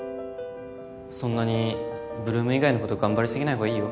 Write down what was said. そんなに ８ＬＯＯＭ 以外のこと頑張りすぎないほうがいいよ